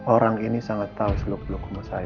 orang ini sangat tahu seluk seluk rumah saya rey